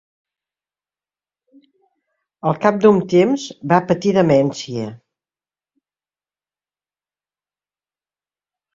Al cap d'un temps va patir demència.